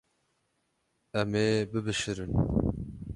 Em ê bibişirin.